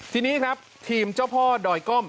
ทีนี้ครับทีมเจ้าพ่อดอยก้อม